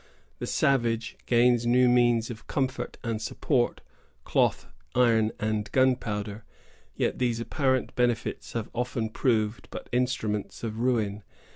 The savage gains new means of comfort and support, cloth, iron, and gunpowder; yet these apparent benefits have often proved but instruments of ruin.